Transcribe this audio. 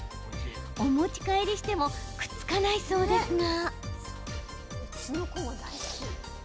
お持ち帰りしてもくっつかないそうですが。